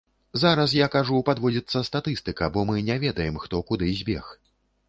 Зараз, я кажу, падводзіцца статыстыка, бо мы не ведаем, хто куды збег.